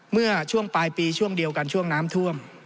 เมื่อช่วงปลายปีช่วงเดียวกันช่วงน้ำท่วม